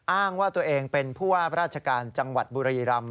อ้างว่าตัวเองเป็นผู้ว่าราชการจังหวัดบุรีรำ